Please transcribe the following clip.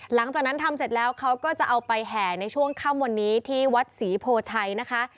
หลังจากนั้นทำเสร็จแล้วเขาก็จะเอาไปแห่ในช่วงค่ำวันนี้ที่วัดศรีโพชัยนะคะ